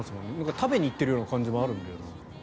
食べに行ってる感じもあるんだよな。